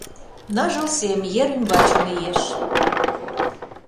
Ныжыл сем ер ӱмбачын иеш.